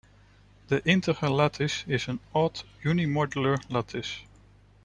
The integer lattice is an odd unimodular lattice.